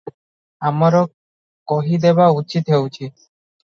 ଆମର କହିଦେବା ଉଚିତ ହେଉଛି ।